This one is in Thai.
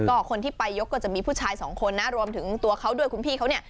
ก็คนที่ไปยกก็จะมีผู้ชายสองคนนะรวมถึงตัวเขาด้วยคุณพี่เขาเนี่ย